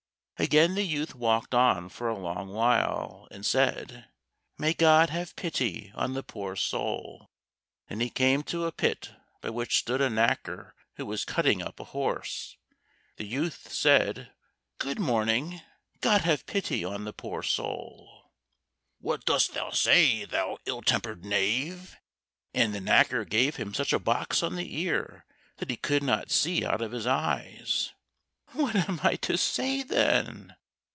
Again the youth walked on for a long while and said, "May God have pity on the poor soul!" Then he came to a pit by which stood a knacker who was cutting up a horse. The youth said, "Good morning; God have pity on the poor soul!" "What dost thou say, thou ill tempered knave?" and the knacker gave him such a box on the ear, that he could not see out of his eyes. "What am I to say, then?"